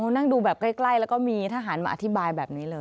นั่งดูแบบใกล้แล้วก็มีทหารมาอธิบายแบบนี้เลย